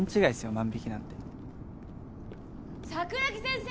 万引きなんて桜木先生